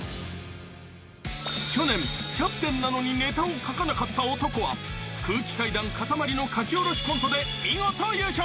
［去年キャプテンなのにネタを書かなかった男は空気階段かたまりの書き下ろしコントで見事優勝］